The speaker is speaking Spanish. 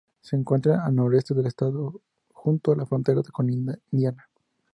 Se encuentra al noreste del estado, junto a la frontera con Indiana.